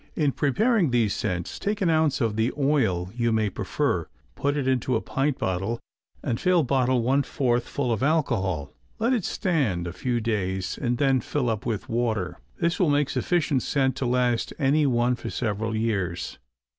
In preparing these scents, take an ounce of the oil you may prefer, put it into a pint bottle and fill bottle one fourth full of alcohol; let it stand a few days and then fill up with water. This would make sufficient scent to last any one for several years.